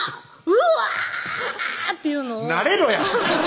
「うわ‼」っていうのを慣れろや！